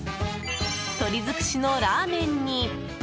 鶏づくしのラーメンに。